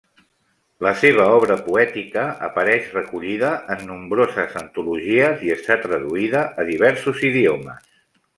La seva obra poètica apareix recollida en nombroses antologies i està traduïda a diversos idiomes.